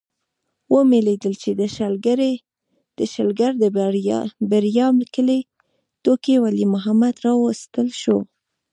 ومې لیدل چې د شلګر د بریام کلي ټوکي ولي محمد راوستل شو.